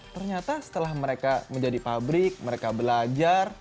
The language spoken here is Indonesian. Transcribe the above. ternyata setelah mereka menjadi pabrik mereka belajar